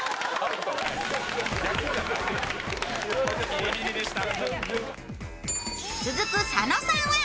ビリビリでした。